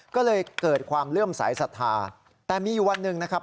ก็เลยเกิดความเลื่อมสายศรัทธาแต่มีอยู่วันหนึ่งนะครับ